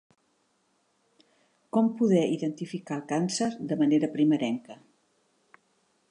Com poder identificar el càncer de manera primerenca?